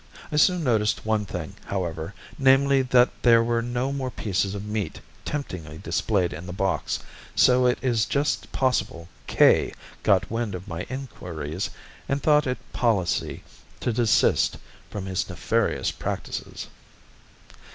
I soon noticed one thing, however, namely, that there were no more pieces of meat temptingly displayed in the box, so it is just possible K got wind of my enquiries, and thought it policy to desist from his nefarious practices.